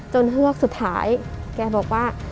เฮือกสุดท้ายแกบอกว่า